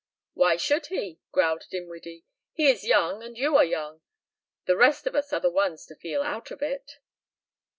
"Why should he?" growled Dinwiddie. "He is young and you are young. The rest of us are the ones to feel out of it."